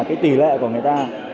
cái tỷ lệ của người ta